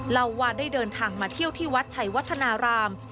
เล่าว่าได้เดินทางมาเที่ยวที่วัดชัยวัฒนาราม